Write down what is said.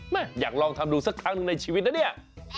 อยากลองทำดูสักครั้งหนึ่งในชีวิตนะเนี่ย